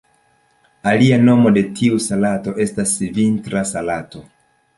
Alia nomo de tiu salato estas "Vintra salato".